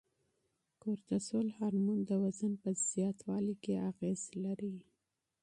کورتسول هورمون د وزن په زیاتوالي اغیز لري.